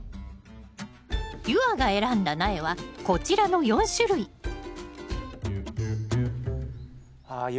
夕空が選んだ苗はこちらの４種類ああ